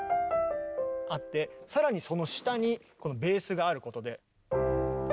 更にその下にこのベースがあることで。